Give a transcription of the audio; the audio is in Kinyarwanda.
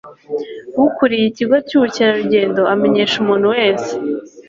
ukuriye ikigo cy'ubukerarugendo amenyesha umuntu wese